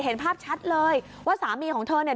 เห็นภาพชัดเลยว่าสามีของเธอเนี่ย